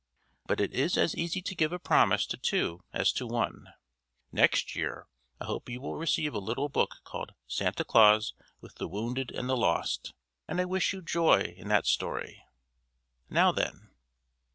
But it is as easy to give a promise to two as to one; next year I hope you will receive a little book called Santa Claus with the Wounded and the Lost. And I wish you joy in that story. Now then!"